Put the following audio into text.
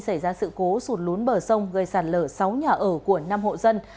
xảy ra sự cố sụt lún bờ sông gây sạt lở sáu nhà ở của năm hộ dân